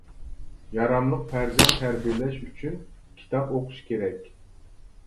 ياراملىق پەرزەنت تەربىيەلەش ئۈچۈن كىتاب ئوقۇش كېرەك.